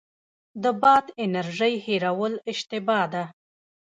د باد انرژۍ هیرول اشتباه ده.